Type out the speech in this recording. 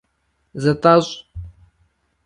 Зытӏэщӏ!